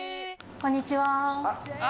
こんにちは。